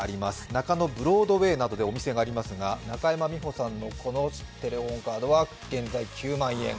中野ブロードウェイなどでお店がありますが、中山美穂さんのこのテレホンカードは現在９万円。